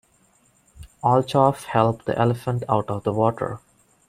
Althoff helped the elephant out of the water.